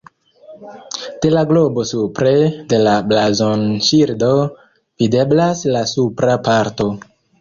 De la globo supre de la blazonŝildo videblas la supra parto.